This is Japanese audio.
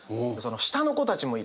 下の子たちもいるんで。